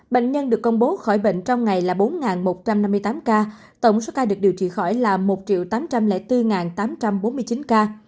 bệnh nhân được công bố khỏi bệnh trong ngày là bốn một trăm năm mươi tám ca tổng số ca được điều trị khỏi là một tám trăm linh bốn tám trăm bốn mươi chín ca